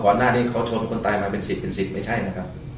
ก่อนหน้านี้เขาชนคนตายมาเป็นสิทธิ์เป็นสิทธิ์ไม่ใช่นะครับ